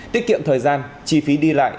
tiết kiệm thời gian chi phí đi lại